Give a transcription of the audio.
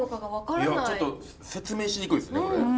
いやちょっと説明しにくいですねこれ。